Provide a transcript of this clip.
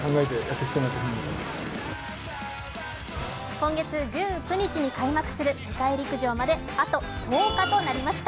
今月１９日に開幕する世界陸上まであと１０日となりました。